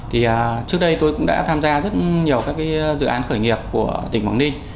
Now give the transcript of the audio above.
thì trước đây tôi cũng đã tham gia rất nhiều các dự án khởi nghiệp của tỉnh quảng ninh